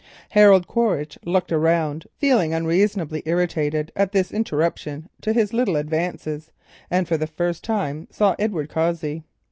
Harold Quaritch looked round, feeling unreasonably irritated at this interruption to his little advances, and for the first time saw Edward Cossey.